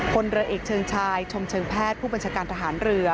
คนเรือเอกเชิงชายชมเชิงแพทย์ผู้บัญชาการทหารเรือ